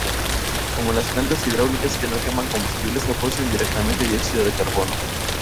Como las plantas hidráulicas no queman combustibles, no producen directamente dióxido de carbono.